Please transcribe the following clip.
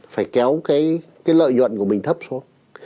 phải kéo cái lợi nhuận của mình thấp xuống